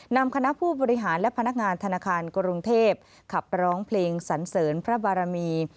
นำคณะผู้บริหารและพนักงานธนาคารกรุงเทพขับร้องเพลงสันเสริญพระบารมี